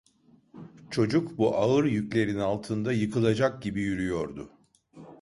Çocuk bu ağır yüklerin altında yıkılacak gibi yürüyordu.